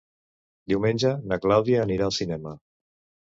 Diumenge na Clàudia anirà al cinema.